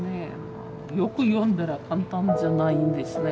よく読んだら簡単じゃないんですね。